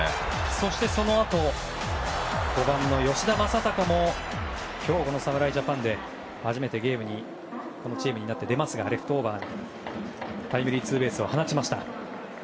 そしてそのあと５番の吉田正尚も今日、侍ジャパンで初めてこのチームになって出ましたがレフトオーバーのタイムリーツーベースを放ちました。